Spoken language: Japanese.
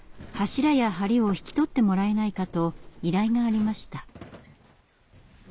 柱や梁を引き取ってもらえないかと依頼がありました。